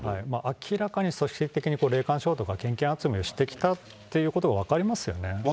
明らかに組織的に霊感商法とか、献金集めをしてきたというこ分かりますよ。